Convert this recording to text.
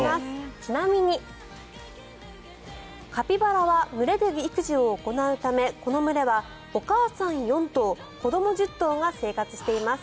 ちなみにカピバラは群れで育児を行うためこの群れはお母さん４頭子ども１０頭が生活しています。